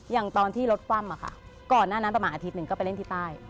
อย่างที่รถคว่ำอะค่ะก่อนหน้านั้นประมาณอาทิตย์หนึ่งก็ไปเล่นที่ใต้